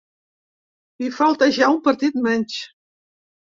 I falta ja un partit menys.